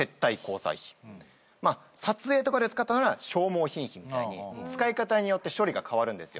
撮影とかで使ったなら消耗品費みたいに使い方によって処理が変わるんですよ。